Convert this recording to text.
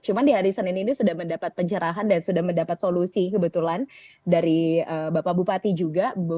cuma di hari senin ini sudah mendapat pencerahan dan sudah mendapat solusi kebetulan dari bapak bupati juga